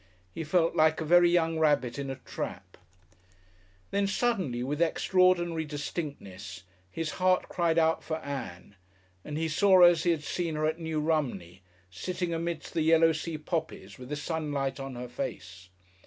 He felt like a very young rabbit in a trap. Then suddenly, with extraordinary distinctness, his heart cried out for Ann, and he saw her as he had seen her at New Romney, sitting amidst the yellow sea poppies with the sunlight on her face.